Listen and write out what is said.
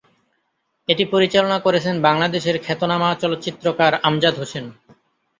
এটি পরিচালনা করেছেন বাংলাদেশের খ্যাতনামা চলচ্চিত্রকার আমজাদ হোসেন।